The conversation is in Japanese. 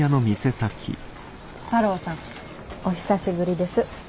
太郎さんお久しぶりです。